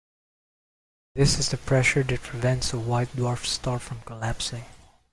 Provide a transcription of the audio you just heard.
This is the pressure that prevents a white dwarf star from collapsing.